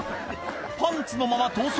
パンツのまま逃走